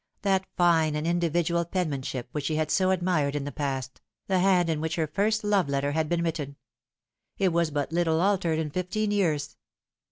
that fine and individual penman ship which she had so admired in the past the hand in which her first love letter had been written. It was but little altered in fifteen years.